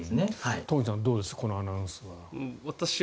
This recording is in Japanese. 東輝さん、どうですこのアナウンスは。